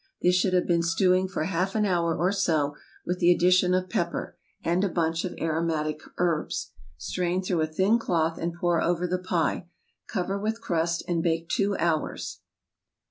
This should have been stewing for half an hour or so, with the addition of pepper and a bunch of aromatic herbs. Strain through a thin cloth and pour over the pie. Cover with crust and bake two hours.